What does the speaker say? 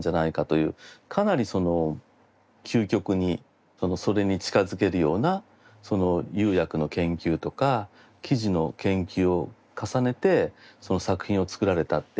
かなり究極にそれに近づけるような釉薬の研究とか生地の研究を重ねて作品を作られたっていう。